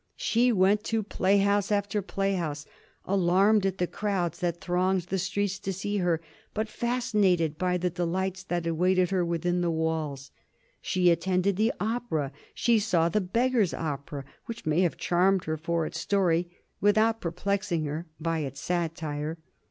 She went to playhouse after playhouse, alarmed at the crowds that thronged the streets to see her, but fascinated by the delights that awaited her within the walls. She attended the opera. She saw "The Beggar's Opera," which may have charmed her for its story without perplexing her by its satire.